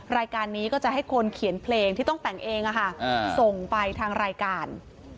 รายการนี้ก็จะให้คนเขียนเพลงที่ต้องแต่งเองส่งไปทางรายการ